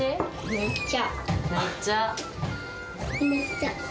めっちゃ！